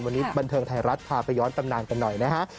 วันนี้บันเทิงไทยรัฐพาไปย้อนตำนานกันหน่อยนะฮะ